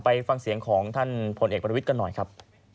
ไปฟังเสียงของท่านพลเอกประวิทย์กันหน่อยครับ